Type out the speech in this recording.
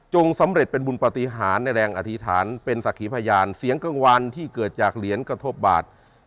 สำเร็จเป็นบุญปฏิหารในแรงอธิษฐานเป็นศักดิ์ขีพยานเสียงกลางวันที่เกิดจากเหรียญกระทบบาท